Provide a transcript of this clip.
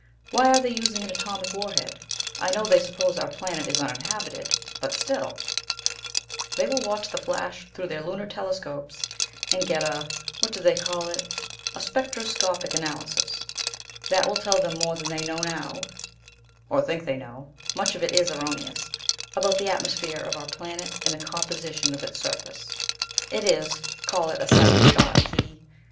Why are they using an atomic warhead? I know they suppose our planet is uninhabited, but still " "They will watch the flash through their lunar telescopes and get a what do they call it? a spectroscopic analysis. That will tell them more than they know now (or think they know; much of it is erroneous) about the atmosphere of our planet and the composition of its surface. It is call it a sighting shot, Khee.